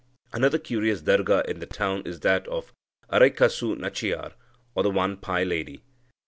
Another curious darga in the town is that of Araikasu Nachiyar, or the one pie lady.